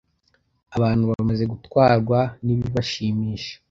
Abantu bamaze gutwarwa n’ibibashimisha